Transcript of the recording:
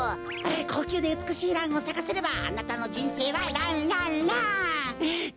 こうきゅうでうつくしいランをさかせればあなたのじんせいはランランラン！